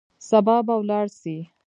سبا به ولاړ سئ.